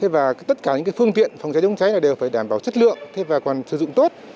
và tất cả những phương tiện phòng cháy chống cháy đều phải đảm bảo chất lượng và còn sử dụng tốt